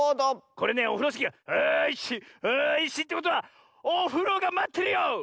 これねオフロスキーが「あいしっあいしっ」ってことは「おふろがまってるよ」！